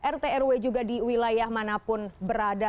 rt rw juga di wilayah manapun berada